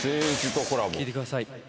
聴いてください。